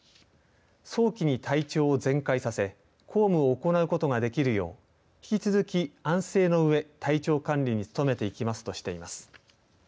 早期に体調を全快させ公務を行うことができるよう引き続き、安静のうえ体調管理に努めていきますとしています。